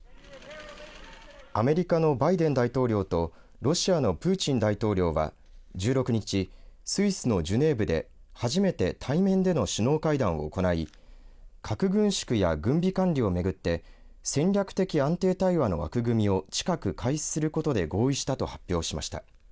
アメリカのバイデン大統領とロシアのプーチン大統領は１６日スイスのジュネーブで初めて対面での首脳会談を行い核軍縮や軍備管理をめぐって戦略的安定対話の枠組みを近く開始することで合意したと発表しました。